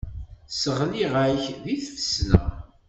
Sseɣliɣ-ak deg tfesna.